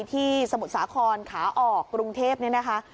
สมุทรสาครขาออกกรุงเทพนี่นะคะ